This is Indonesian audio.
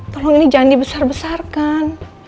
tolong ini jangan dibesar besarkan